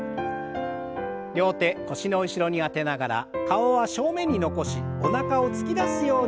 両手腰の後ろに当てながら顔は正面に残しおなかを突き出すようにして